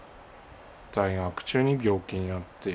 在学中に病気になって。